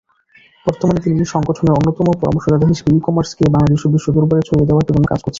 বর্তমানে তিনি সংগঠনের অন্যতম পরামর্শদাতা হিসেবে 'ই-কমার্স'কে বাংলাদেশ ও বিশ্ব দরবারে ছড়িয়ে দেয়ার জন্য কাজ করছেন।